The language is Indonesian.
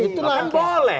itu kan boleh